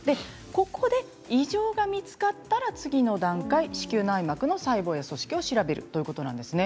ここで異常が見つかったら次の段階子宮内膜の細胞や組織を調べるというものです。